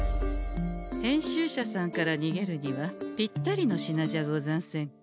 編集者さんからにげるにはぴったりの品じゃござんせんか？